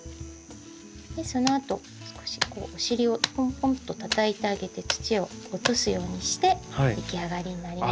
でそのあと少しこうお尻をポンポンとたたいてあげて土を落とすようにして出来上がりになります。